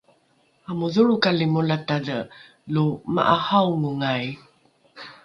amodholrokali molatadhe lo ma’ahaongai?